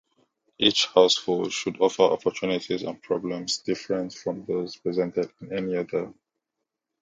Each household should offer opportunities and problems different from those presented in any other.